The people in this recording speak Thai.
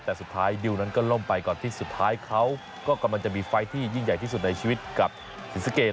แต่สุดท้ายดิวนั้นก็ล่มไปก่อนที่สุดท้ายเขาก็กำลังจะมีไฟล์ที่ยิ่งใหญ่ที่สุดในชีวิตกับศรีสะเกด